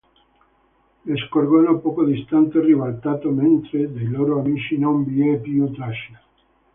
Lo scorgono poco distante, ribaltato, mentre dei loro amici non vi è più traccia.